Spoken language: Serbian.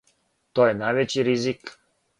То је највећи ризик.